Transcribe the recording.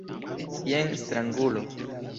Jen strangulo.